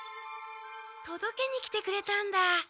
とどけに来てくれたんだ。